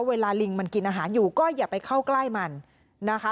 ลิงมันกินอาหารอยู่ก็อย่าไปเข้าใกล้มันนะคะ